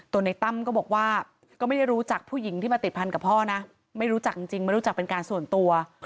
ในตั้มก็บอกว่าก็ไม่ได้รู้จักผู้หญิงที่มาติดพันกับพ่อนะไม่รู้จักจริงไม่รู้จักเป็นการส่วนตัว